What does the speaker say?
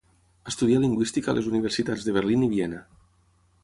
Estudià lingüística a les universitats de Berlín i Viena.